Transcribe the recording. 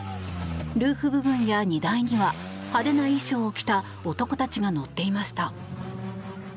ルーフ部分や荷台には派手な衣装を着た男たちが乗っていました。